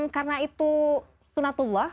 karena itu sunatullah